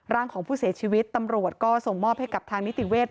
ร่างของผู้เสียชีวิตตำรวจก็ส่งมอบให้กับทางนิติเวศ